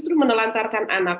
justru menelantarkan anak